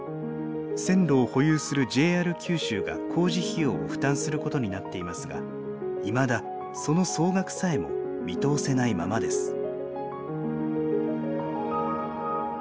線路を保有するＪＲ九州が工事費用を負担することになっていますがいまだその総額さえも見通せないままです。